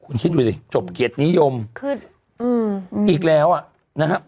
คุณคิดดูดิจบเกียรตินิยมขึ้นอืมอีกแล้วอ่ะนะฮะ